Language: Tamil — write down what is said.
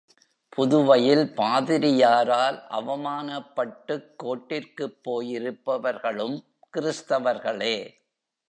புதுவையில் பாதிரியாரால் அவமானப்பட்டுக் கோர்ட்டிற்குப் போயிருப்பவர்களும் கிறிஸ்தவர்களே.